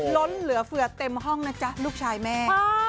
ล้นเหลือเฟือเต็มห้องนะจ๊ะลูกชายแม่